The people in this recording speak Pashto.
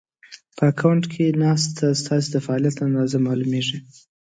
په اکونټ کې ناسې ته ستاسې د فعالیت اندازه مالومېږي